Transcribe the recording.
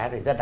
rất đáng yêu